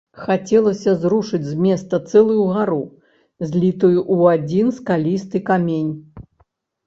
Хацелася зрушыць з месца цэлую гару, злітую ў адзін скалісты камень.